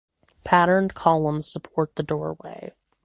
Patterned columns support the doorway.